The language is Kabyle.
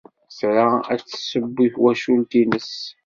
Tra ad d-tesseww i twacult-nnes.